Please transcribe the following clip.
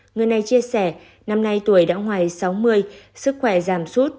người này chia sẻ năm nay tuổi đã ngoài sáu mươi sức khỏe giảm sút